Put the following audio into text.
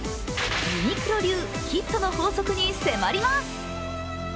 ユニクロ流ヒットの法則に迫ります。